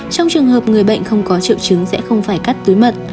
trong trường hợp người bệnh không có triệu chứng sẽ không phải cắt túi mật